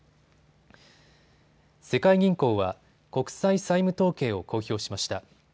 世界銀行は国際債務統計を公表しました。